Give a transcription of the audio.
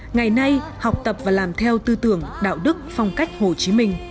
ngày nay học tập và làm theo tư tưởng đạo đức phong cách hồ chí minh